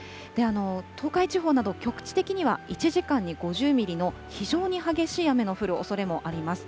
東海地方など局地的には、１時間に５０ミリの非常に激しい雨の降るおそれもあります。